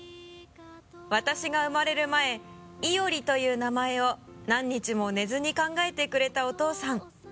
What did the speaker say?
「私が生まれる前以織と言う名前を何日も寝ずに考えてくれたお父さん」